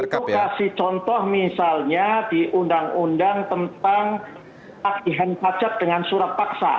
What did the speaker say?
waktu itu kasih contoh misalnya di undang undang tentang pakaian pacat dengan surat paksa